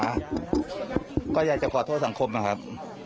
ก็อยากจะขอโทษสังคมนะครับ